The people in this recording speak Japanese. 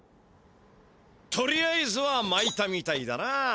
とりあえずはまいたみたいだな。